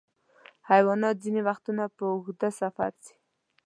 حیوانات ځینې وختونه په اوږده سفر ځي.